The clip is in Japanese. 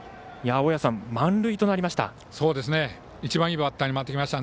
大矢さん、満塁となりました。